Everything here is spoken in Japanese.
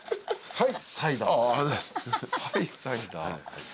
はい。